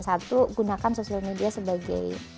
satu gunakan social media sebagai